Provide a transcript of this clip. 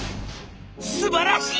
「すばらしい！